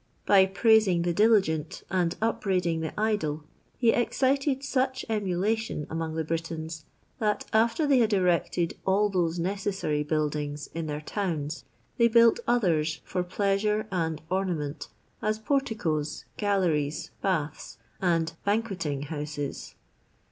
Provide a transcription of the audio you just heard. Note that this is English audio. By praising the diligent and upbraiding the idle, he excited such emulation among the Britons, that, after they had erected all those necessary buildings in their towns, they built others for pleasare and ona inent, as porticoes, galleries, lailu, and banquet ing houses."